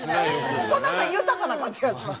ここ、なんか豊かな感じがします。